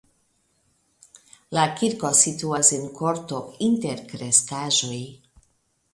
La kirko situas en korto inter kreskaĵoj.